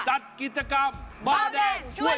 คาถาที่สำหรับคุณ